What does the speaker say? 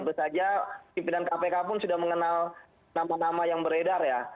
tentu saja pimpinan kpk pun sudah mengenal nama nama yang beredar ya